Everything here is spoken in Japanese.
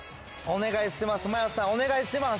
お願いします